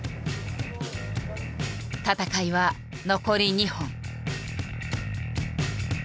戦いは残り２本。